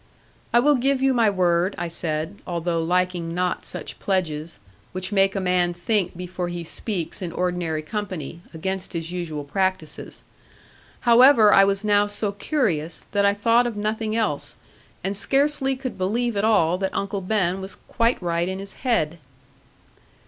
'I will give you my word,' I said, although liking not such pledges; which make a man think before he speaks in ordinary company, against his usual practices. However, I was now so curious, that I thought of nothing else; and scarcely could believe at all that Uncle Ben was quite right in his head.